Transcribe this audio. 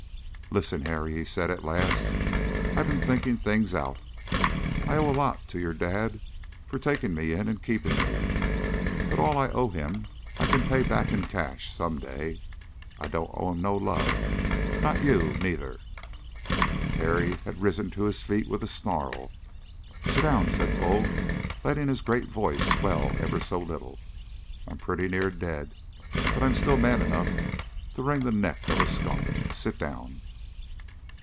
"Listen, Harry," he said at last. "I been thinking things out. I owe a lot to your dad for taking me in and keeping me. But all I owe him I can pay back in cash someday. I don't owe him no love. Not you, neither." Harry had risen to his feet with a snarl. "Sit down," said Bull, letting his great voice swell ever so little. "I'm pretty near dead, but I'm still man enough to wring the neck of a skunk! Sit down!"